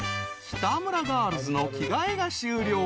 ［北村ガールズの着替えが終了。